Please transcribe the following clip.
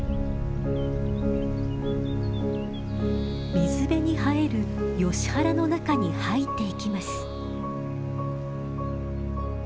水辺に生えるヨシ原の中に入っていきます。